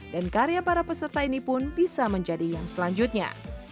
dan karya para peserta ini pun bisa menjadi yang selanjutnya